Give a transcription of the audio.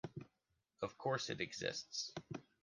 Of course it exists!